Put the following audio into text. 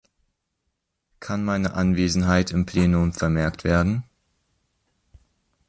Kann meine Anwesenheit im Plenum vermerkt werden.